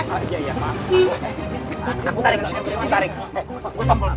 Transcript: tarik tarik tarik